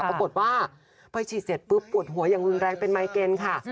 ปรากฏว่าพอฉีดเสร็จปุ๊บปวดหัวอย่างรุนแรงเป็นไมเกณฑ์ค่ะ